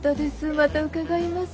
また伺います。